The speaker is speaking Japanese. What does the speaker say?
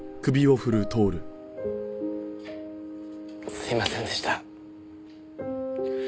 すいませんでした。